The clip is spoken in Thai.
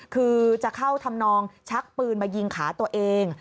คือจะเข้าทำนองชักปืนมายิงขาตัวเอง